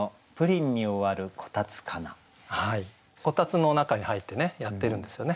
炬燵の中に入ってねやってるんですよね。